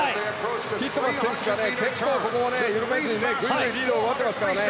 ティットマス選手がここを緩めずにぐいぐいリードを奪ってますから。